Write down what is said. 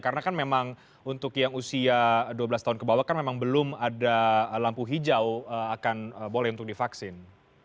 karena kan memang untuk yang usia dua belas tahun ke bawah kan memang belum ada lampu hijau akan boleh untuk divaksin